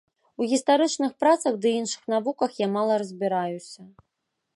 У гістарычных працах ды іншых навуках я мала разбіраюся.